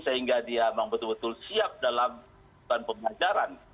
sehingga dia memang betul betul siap dalam pembelajaran